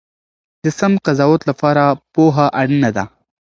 د سم قضاوت لپاره پوهه اړینه ده.